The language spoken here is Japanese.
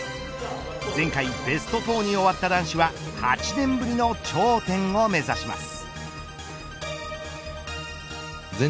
前回ベスト４に終わった男子は８年ぶりの頂点を目指します。